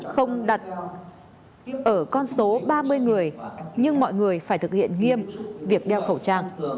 không đặt ở con số ba mươi người nhưng mọi người phải thực hiện nghiêm việc đeo khẩu trang